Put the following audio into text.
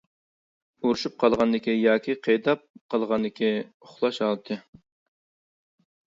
ئۇرۇشۇپ قالغاندىكى ياكى قېيىداپ قالغاندىكى ئۇخلاش ھالىتى.